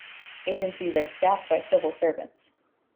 Agencies are staffed by civil servants.